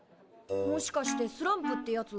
もしかしてスランプってやつ？